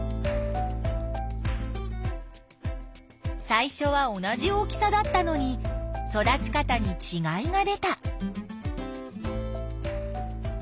最初は同じ大きさだったのに育ち方にちがいが出た。